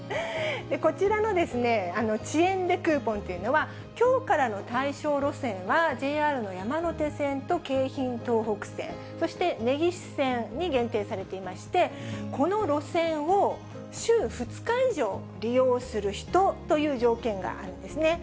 こちらの遅延でクーポンというのは、きょうからの対象路線は、ＪＲの山手線と京浜東北線、そして根岸線に限定されていまして、この路線を週２日以上利用する人という条件があるんですね。